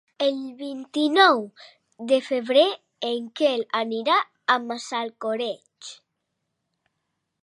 El vint-i-nou de febrer en Quel anirà a Massalcoreig.